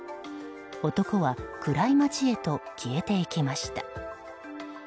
男は暗い街へと消えていきました。